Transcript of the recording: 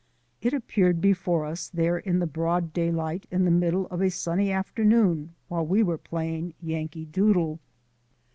It appeared before us there in the broad daylight in the middle of a sunny afternoon while we were playing "Yankee Doodle."